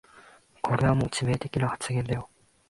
これはもう致命的な発言だよ